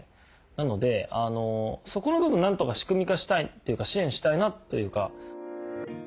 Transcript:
なのでそこの部分何とか仕組み化したいというか支援したいなというか。